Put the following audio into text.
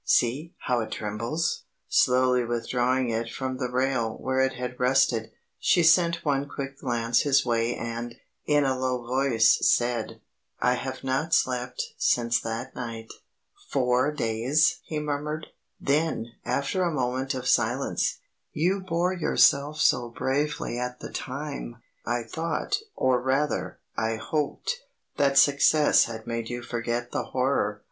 see, how it trembles!" Slowly withdrawing it from the rail where it had rested, she sent one quick glance his way and, in a low voice, said: "I have not slept since that night." "Four days!" he murmured. Then, after a moment of silence, "You bore yourself so bravely at the time, I thought, or rather, I hoped, that success had made you forget the horror.